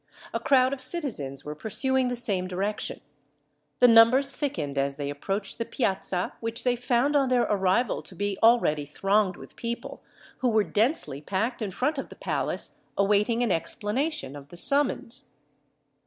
A crowd of citizens were pursuing the same direction. The numbers thickened as they approached the Piazza, which they found on their arrival to be already thronged with people, who were densely packed in front of the palace, awaiting an explanation of the summons.